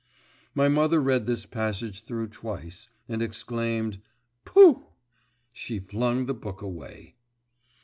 My mother read this passage through twice, and exclaiming, 'Pooh!' she flung the book away.